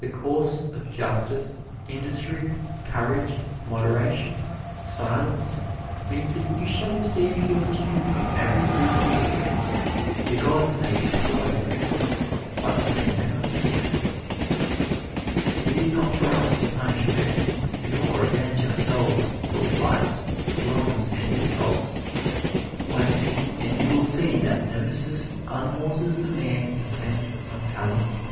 The course of justice, industry, courage, moderation, silence, means that you shall receive your due of every good thing. The gods may be slow, but they never forget. It is not for us to punish men nor avenge ourselves for slights, wrongs and insults wait, and you will see that Nemesis unhorses the man intent on calumny.